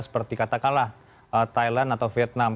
seperti katakanlah thailand atau vietnam